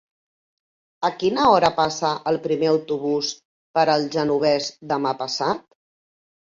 A quina hora passa el primer autobús per el Genovés demà passat?